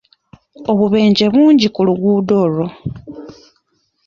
Obubeje bungi ku luguudo olwo.